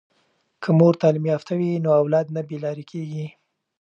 که مور تعلیم یافته وي نو اولاد نه بې لارې کیږي.